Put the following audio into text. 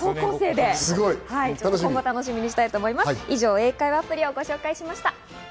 英会話アプリをご紹介しました。